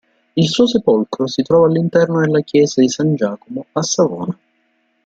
Il suo sepolcro si trova all'interno della chiesa di San Giacomo a Savona.